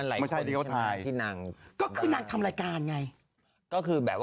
อ๋อนภายได้ยินมั้ยคะ